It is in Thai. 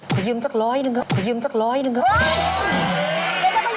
หนูยืมสักร้อยหนึ่งแล้วหนูยืมสักร้อยหนึ่งแล้ว